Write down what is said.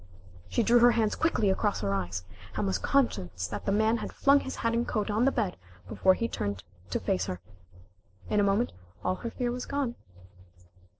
She drew her hands quickly across her eyes, and was conscious that the man had flung his hat and coat on the bed before he turned to face her. In a moment all her fear was gone.